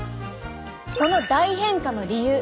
この大変化の理由。